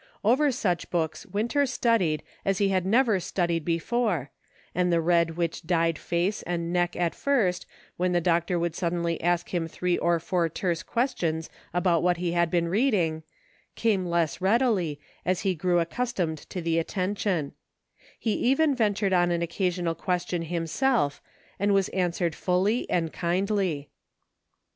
Over such books Winter studied as he had never studied before, and the red which dyed face and neck at first, when the doctor would suddenly ask him three or four terse questions about what he had been reading, came less readily, as he grew accustomed to the attention ; he even ventured on an occasional question himself, and was answered fully and kindly.